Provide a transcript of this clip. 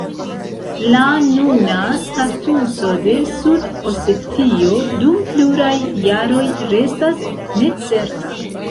La nuna statuso de Sud-Osetio dum pluraj jaroj restas necerta.